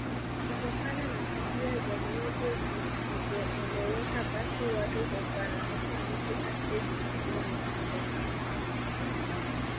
Kutokana na tabia za nyumbu zisizoeleweka basi watu humfananisha mtu asiejitambua na nyumbu